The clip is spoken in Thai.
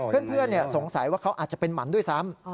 เพื่อนสงสัยว่าเขาอาจจะเป็นหมันด้วยซ้ำ